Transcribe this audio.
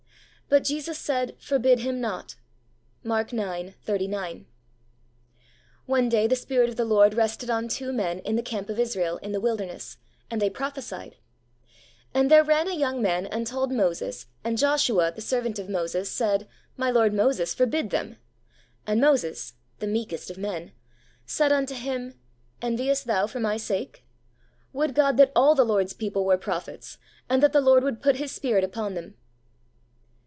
' But Jesus said. Forbid him not ' (Mark ix. 39). One day the Spirit of the Lord rested on two men in the camp of Israel in the wilderness, and they prophesied. ' And there ran a young man, and told Moses. ... And Joshua, ... the servant of Moses, said. My lord Moses, forbid them. And Moses' (the meekest of men) 'said unto him, Enviest thou for my sake ? Would God that all the Lord's people were prophets, and that the Lord would put His Spirit upon them